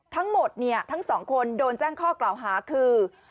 ทั้งหมดเนี่ยทั้งสองคนโดนแจ้งข้อกล่าวหาคือ